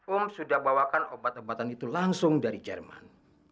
om sudah bawakan obat obatan itu langsung dari jerman